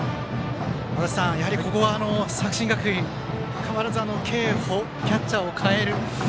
やはりここは、作新学院変わらず継捕キャッチャーを代える。